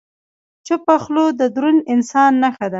چپه خوله، د دروند انسان نښه ده.